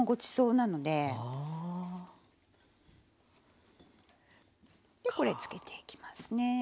でこれつけていきますね。